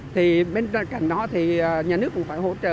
thì bên cạnh đó thì nhà nước cũng phải hỗ trợ